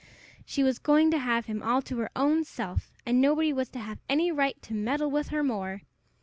She was going to have him all to her own self, and nobody was to have any right to meddle with her more!